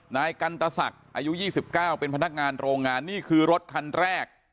นายกันตสักอายุยี่สิบเก้าเป็นพนักงานโรงงานนี่คือรถคันแรก